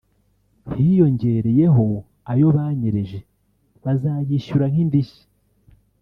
hiyongereyeho ayo banyereje bazayishyura nk’indishyi